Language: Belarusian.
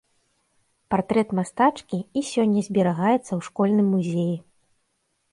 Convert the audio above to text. Партрэт мастачкі і сёння зберагаецца ў школьным музеі.